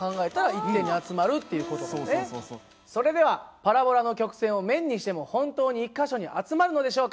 それではパラボラの曲線を面にしても本当に１か所に集まるのでしょうか？